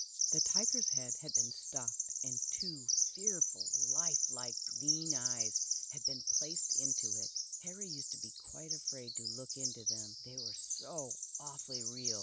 The timer's head had been stuffed, and tvvo fearfully life like, green eyes had been placed in it Harr\ used to be quite afraid to look into them, they were so awfully real.